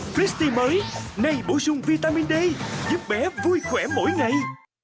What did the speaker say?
frisbee mới nay bổ sung vitamin d giúp bé vui khỏe mỗi ngày